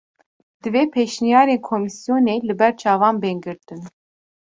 Divê pêşniyarên komîsyonê li ber çavan bên girtin